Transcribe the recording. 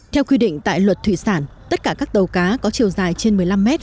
theo quy định tại luật thủy sản tất cả các tàu cá có chiều dài trên một mươi năm mét